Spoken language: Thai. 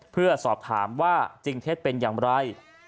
เพื่อสอบถามว่าจริงเท็จเป็นอย่างไร